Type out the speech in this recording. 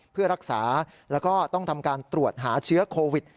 เพื่อรักษาแล้วก็ต้องทำการตรวจหาเชื้อโควิด